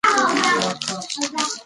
د انفرادیت ساتنې په اړه نظریات مختلف دي.